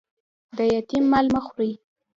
د یتیم مال مه خورئ